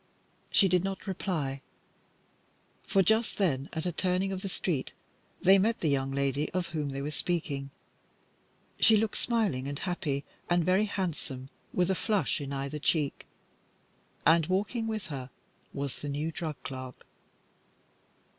She did not reply, for just then at a turning of the street, they met the young lady of whom they were speaking. She looked smiling and happy, and very handsome, with a flush in either cheek, and walking with her was the new drug clerk.